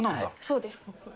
そうです。